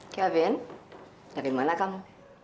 kevin dari mana kamu